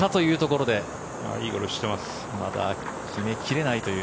まだ決め切れないという。